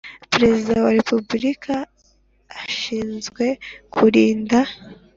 Perezida wa repubulika ashinzwe kurinda